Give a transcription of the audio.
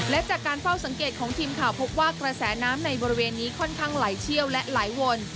และจากการเฝ้าสังเกตของทีมข่าวพบว่ากระแสน้ำในบริเวณนี้ค่อนข้างไหลเชี่ยวและไหลวน